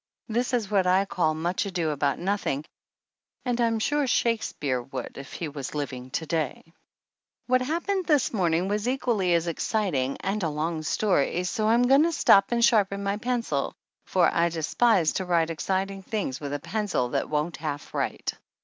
This is what I call much ado about noth ing, and I'm sure Shakespeare would if he was living to day. What happened this morning was equally as exciting and a long story, so I'm going to stop and sharpen my pencil, for I despise to write exciting things with a pencil that won't half write.